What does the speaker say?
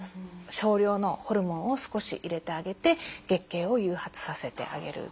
少量のホルモンを少し入れてあげて月経を誘発させてあげるということですね。